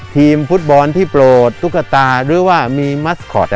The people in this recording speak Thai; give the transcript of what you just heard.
ทีมฟุตบอลที่โปรดตุ๊กตาหรือว่ามีมัสคอต